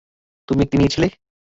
তুমি একটি নিয়েছিলে?